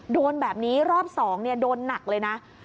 โดนแบบนี้รอบ๒โดนหนักเลยนะ